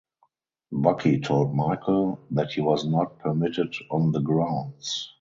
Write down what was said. Bucky told Michael that he was not permitted on the grounds.